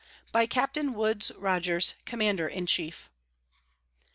By Captain WOODES ROGERS, Commander in Chief.